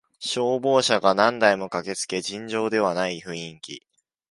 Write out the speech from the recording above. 消防車が何台も駆けつけ尋常ではない雰囲気